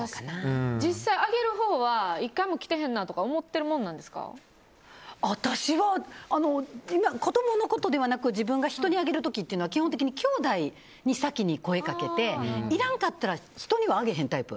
実際あげるほうは１回も着てへんなって私は子供のことではなく自分が人にあげる時っていうのは基本的にきょうだいに先に声掛けていらんかったら人にはあげへんタイプ。